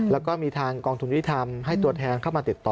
แล้วก็มีทางกองทุนยุติธรรมให้ตัวแทนเข้ามาติดต่อ